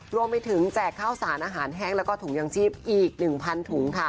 รวมไปถึงแจกข้าวสารอาหารแห้งแล้วก็ถุงยางชีพอีก๑๐๐ถุงค่ะ